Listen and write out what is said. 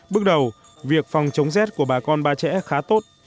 bước đầu việc phòng chống rét của bà con ba trẻ khá tốt